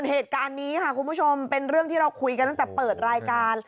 เหตุการณ์นี้ค่ะคุณผู้ชมเป็นเรื่องที่เราคุยกันตั้งแต่เปิดรายการ